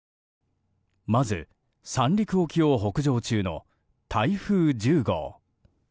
まず三陸沖を北上中の台風１０号。